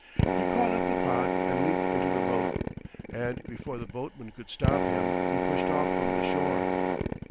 He caught up the pot and leaped into the boat, and before the boatman could stop him he pushed off from the shore.